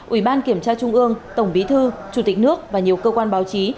ủy ban kiểm tra trung ương tổng bí thư chủ tịch nước và nhiều cơ quan báo chí